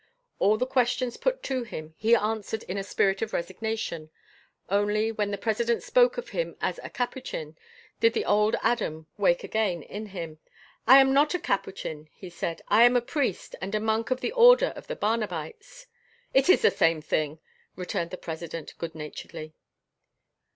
All the questions put to him he answered in a spirit of resignation. Only, when the President spoke of him as a Capuchin, did the old Adam wake again in him: "I am not a Capuchin," he said, "I am a priest and a monk of the Order of the Barnabites." "It is the same thing," returned the President good naturedly.